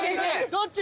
・どっち！？